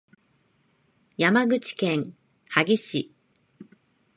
山口県萩市